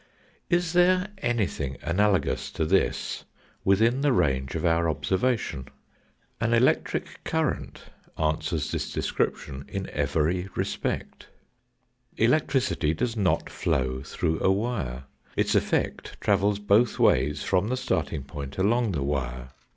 Is there anything analogous to this within the range of our observation ? An electric current answers this description in every respect. Electricity does not flow through a wire. Its effect travels both ways from the starting point along the wire.